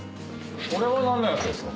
これは何のやつですか？